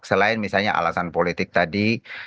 selain misalnya alasan politik tadi